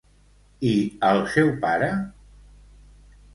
I al seu pare?